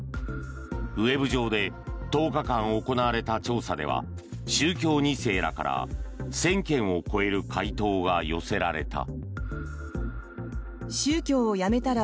ウェブ上で１０日間行われた調査では宗教２世らから１０００件を超える回答が寄せられた。